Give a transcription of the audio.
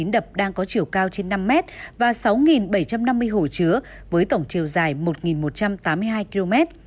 đập đang có chiều cao trên năm mét và sáu bảy trăm năm mươi hồ chứa với tổng chiều dài một một trăm tám mươi hai km